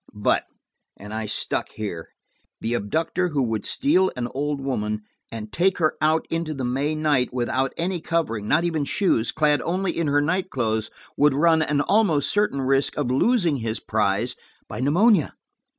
But–and I stuck here–the abductor who would steal an old woman, and take her out into the May night without any covering–not even shoes–clad only in her night clothes, would run an almost certain risk of losing his prize by pneumonia.